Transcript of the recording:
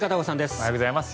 おはようございます。